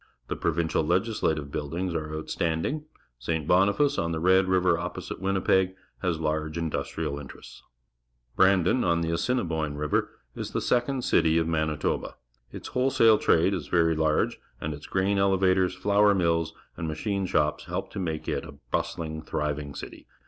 The Provincial Legislative Buildings are outstanding. St. Boniface, on the Red River opposite Winni peg, has large industrial interests. Brandon , _on the Assinib oine River, is the second city of Manitoba. Its wholesale trade is very large, and its grain elevators, flour mills, and mach ine shops help to make it a bustUng, thriving city.